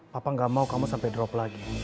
papa gak mau kamu sampai drop lagi